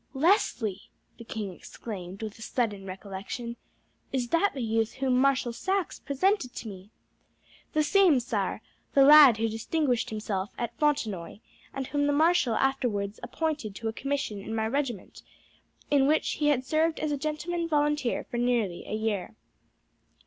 "Leslie!" the king exclaimed, with a sudden recollection. "Is that the youth whom Marshal Saxe presented to me?" "The same, sire; the lad who distinguished himself at Fontenoy, and whom the Marshal afterwards appointed to a commission in my regiment, in which he had served as a gentleman volunteer for nearly a year."